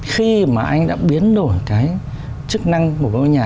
khi mà anh đã biến đổi cái chức năng của ngôi nhà